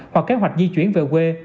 hoặc kế hoạch di chuyển về quê